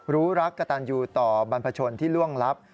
รู้รักกระตันยูต่อบรรพชนที่ล่วงลับ